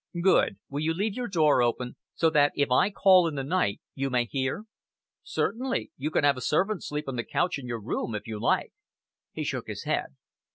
"Good! Will you leave your door open, so that if I call in the night you may hear?" "Certainly! You can have a servant sleep on the couch in your room, if you like." He shook his head.